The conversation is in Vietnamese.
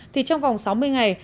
thì trong vòng sáu mươi ngày